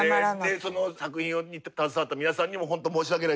その作品に携わった皆さんにも本当申し訳ない。